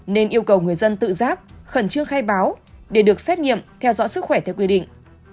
nên yêu cầu người dân tự giác khẩn trương khai báo để được xét nghiệm theo dõi sức khỏe theo quy định